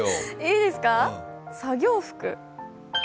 いいですか、作業服？